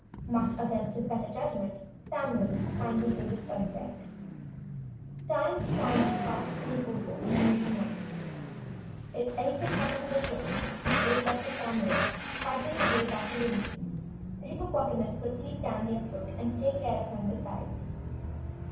Much against his better judgment, Samuel finally gave his consent, tying Tandy fast to Nikobo and the mizzenmast. If anything happened to the ship, reflected Samuel, fighting his way back to the wheel, the hippopotamus could keep Tandy afloat and take care of him besides.